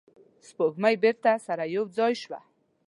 سپوږمۍ بیرته سره یو ځای شوه.